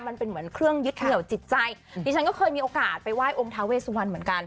มันเป็นเหมือนเครื่องยึดเหนี่ยวจิตใจดิฉันก็เคยมีโอกาสไปไหว้องค์ท้าเวสวันเหมือนกัน